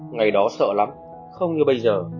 ngày đó sợ lắm không như bây giờ